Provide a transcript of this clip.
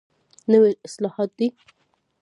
نوي اصطلاحات دي.